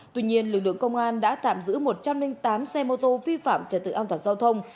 tuy nhiên lực lượng công an đã tạm giữ một trăm linh tám xe mô tô vi phạm trật tự an toàn giao thông